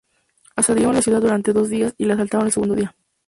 Asediaron la ciudad durante dos días y la asaltaron el segundo día.